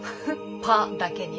「パ」だけに？